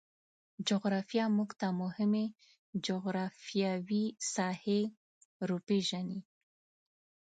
جغرافیه موږ ته مهمې جغرفیاوې ساحې روپیژني